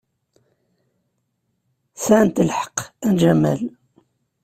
Sɛant lḥeqq, a Jamal.